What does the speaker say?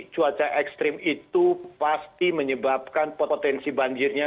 cuaca ekstrim itu pasti menyebabkan potensi banjirnya